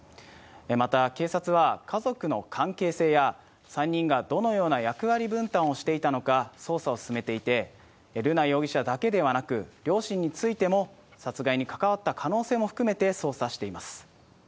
また、警察は家族の関係性や、３人がどのような役割分担をしていたのか捜査を進めていて、瑠奈容疑者だけではなく、両親についても、殺害に関わった可能性も含めて捜査しています。